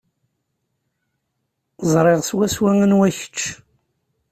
Ẓriɣ swaswa anwa kečč.